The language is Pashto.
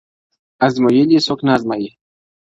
o ازمويلی څوک نه ازمايي٫